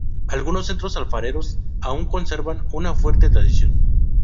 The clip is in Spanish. Algunos centros alfareros aún conservan una fuerte tradición.